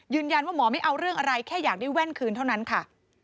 หมอไม่เอาเรื่องอะไรแค่อยากได้แว่นคืนเท่านั้นค่ะ